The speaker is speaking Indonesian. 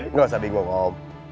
nggak usah bingung om